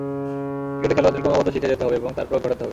ক্রিকেটে খেলোয়াড়দের ক্রমাগত শিখে যেতে হবে এবং তার প্রয়োগ ঘটাতে হবে।